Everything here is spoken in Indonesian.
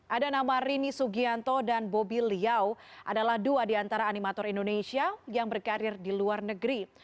ada nama rini sugianto dan bobi liau adalah dua di antara animator indonesia yang berkarir di luar negeri